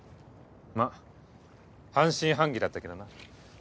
まぁ半信半疑だったけどな。